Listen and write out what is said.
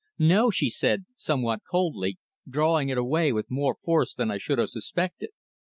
"No," she said, somewhat coldly, drawing it away with more force than I should have suspected.